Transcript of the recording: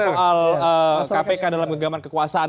soal kpk dalam genggaman kekuasaan